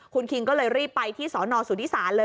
คุณคิงก็เลยรีบไปที่สนสุธิศาลเลย